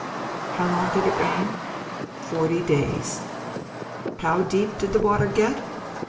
How long did it rain? Forty days. How deep did the water get?